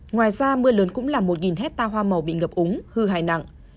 ngoài ra mưa lớn cũng là một hecta hoa màu bị ngập úng hư hải nặng